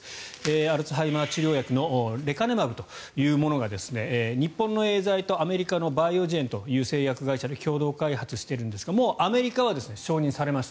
アルツハイマー治療薬のレカネマブというものが日本のエーザイとアメリカのバイオジェンという製薬会社で共同開発しているんですがもうアメリカは承認されました。